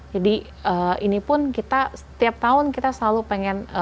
jadi ini pun kita setiap tahun kita selalu pengen